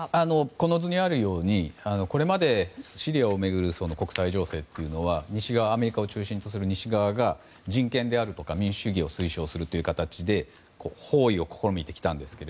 この図にあるようにこれまでシリアを巡る国際情勢はアメリカを中心とする西側が人権であるとか民主主義を推奨する形で包囲を試みてきたんですが